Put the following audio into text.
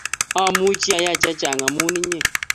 Amuchi ayai chechang amu inye